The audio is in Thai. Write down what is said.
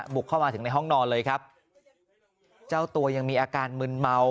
บุกเข้ามาถึงในห้องนอนเลยครับเจ้าตัวยังมีอาการมึนเมา